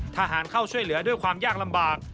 ทหารเข้าช่วยเหลือด้วยความยากลำบาก